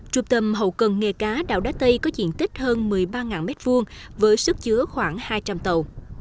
trung tâm hậu cần nghề cá đảo đá tây có diện tích hơn một mươi ba m hai với sức chứa khoảng hai trăm linh tàu